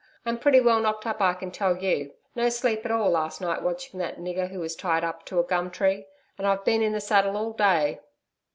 I'm pretty well knocked up, I can tell you. No sleep at all last night watching that nigger who was tied up to a gum tree, and I've been in the saddle all day.'